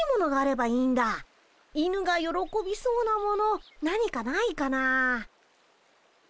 犬がよろこびそうなもの何かないかな。